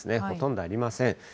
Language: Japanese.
ほとんどありません。